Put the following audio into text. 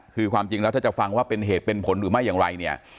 คือความจริงแล้วถ้าจะฟังว่าเป็นเหตุเป็นผลหรือไม่อย่างไรเนี่ย